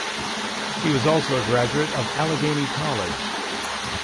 He was also a graduate of Allegheny College.